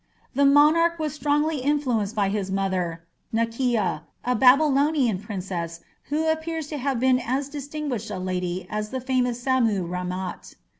The monarch was strongly influenced by his mother, Naki'a, a Babylonian princess who appears to have been as distinguished a lady as the famous Sammu rammat.